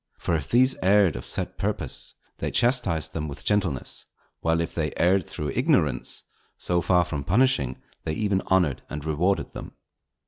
For if these erred of set purpose, they chastised them with gentleness; while if they erred through ignorance, so far from punishing, they even honoured and rewarded them.